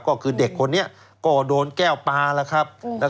ก็คือเด็กคนนี้ก็โดนแก้วปลาแล้วครับ